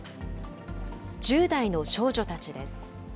１０代の少女たちです。